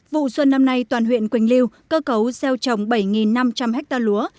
vụ xuân năm nay toàn huyện quỳnh lưu cơ cấu gieo trồng bảy năm trăm linh ha lúa